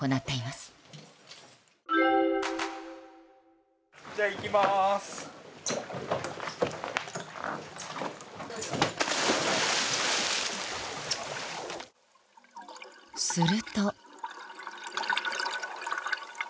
すると。